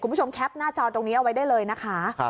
คุณผู้ชมแคปหน้าจอตรงนี้เอาไว้ได้เลยนะคะ